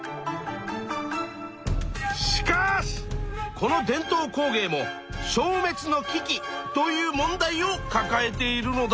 しかしこの伝統工芸も消滅の危機という問題をかかえているのだ。